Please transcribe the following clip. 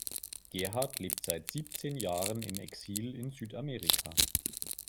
Gerhard lebt seit siebzehn Jahren im Exil in Südamerika.